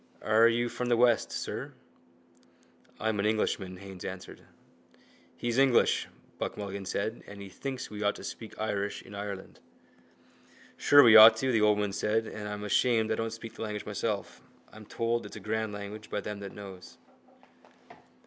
Are you from the west, sir? —I am an Englishman, Haines answered. —He's English, Buck Mulligan said, and he thinks we ought to speak Irish in Ireland. —Sure we ought to, the old woman said, and I'm ashamed I don't speak the language myself. I'm told it's a grand language by them that knows.